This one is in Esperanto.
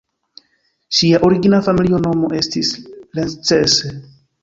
Ŝia origina familia nomo estis "Lencse".